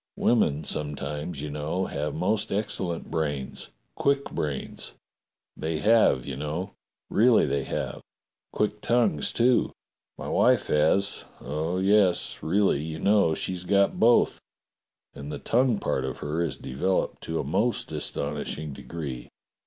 Women sometimes, you know, have most excellent brains — quick brains. They have, you know. Really they have. Quick tongues, too. My wife has. Oh, yes, really, you know, she's got both, and the tongue part of her is developed to a most aston ishing degree.